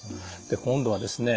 で今度はですね